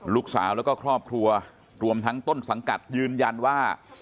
ลูกสาวแล้วก็ครอบครัวรวมทั้งต้นสังกัดยืนยันว่า